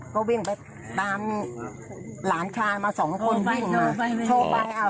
ก็วิ่งไปตามหลานคลานมา๒คนวิ่งมา